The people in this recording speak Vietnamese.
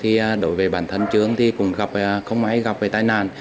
thời gian ba năm trước đối với bản thân trương thì cũng gặp không ai gặp về tai nạn